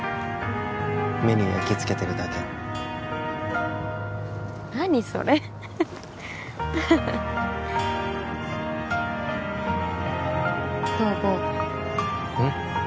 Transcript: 目に焼きつけてるだけ何それ東郷うん？